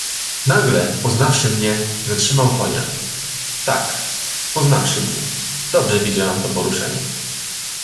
"Nagle, poznawszy mnie, zatrzymał konia, tak, poznawszy mnie... dobrze widziałam to poruszenie."